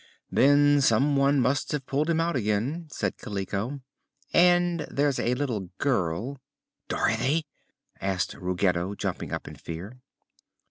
"Then some one must have pulled him out again," said Kaliko. "And there's a little girl " "Dorothy?" asked Ruggedo, jumping up in fear.